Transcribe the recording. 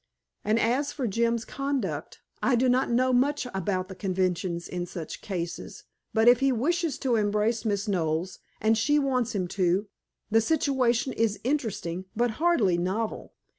And as for Jim's conduct, I do not know much about the conventions in such cases, but if he wishes to embrace Miss Knowles, and she wants him to, the situation is interesting, but hardly novel."